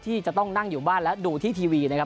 ที่จะต้องนั่งอยู่บ้านและดูที่ทีวีนะครับ